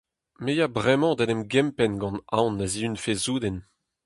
Me 'ya bremañ d'en em gempenn gant aon na zihunfe souden.